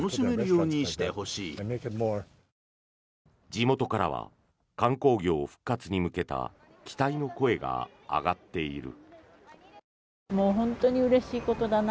地元からは観光業復活に向けた期待の声が上がっている。